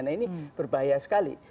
nah ini berbahaya sekali